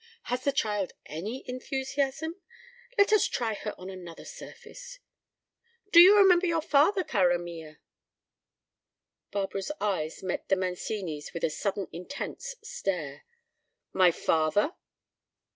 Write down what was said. "Has the child any enthusiasm? Let us try her on another surface. Do you remember your father, cara mia?" Barbara's eyes met the Mancini's with a sudden intense stare. "My father?"